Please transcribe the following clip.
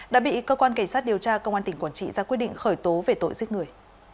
đã bị cơ quan cảnh sát điều tra công an tỉnh quản trị ra quyết định khởi tố về tội giết người